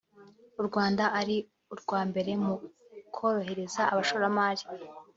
u Rwanda ari urwa mbere mu korohereza abashoramari